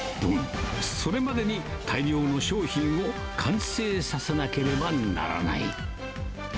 それまでに大量の商品を完成させなければならない。